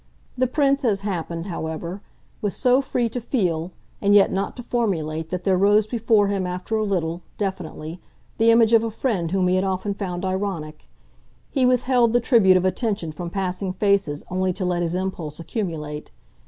The Prince, as happened, however, was so free to feel and yet not to formulate that there rose before him after a little, definitely, the image of a friend whom he had often found ironic. He withheld the tribute of attention from passing faces only to let his impulse accumulate.